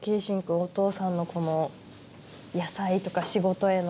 お父さんのこの野菜とか仕事への思い聞いて。